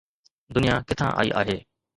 دنيا ڪٿان آئي آهي؟